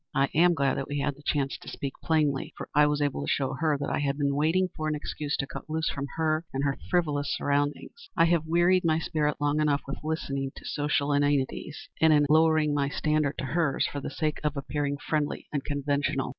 I am glad that we had the chance to speak plainly, for I was able to show her that I had been waiting for an excuse to cut loose from her and her frivolous surroundings. I have wearied my spirit long enough with listening to social inanities, and in lowering my standards to hers for the sake of appearing friendly and conventional.